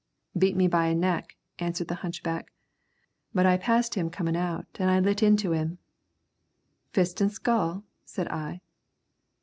"Beat me by a neck," answered the hunchback. "But I passed him comin' out an' I lit in to him." "Fist and skull?" said I.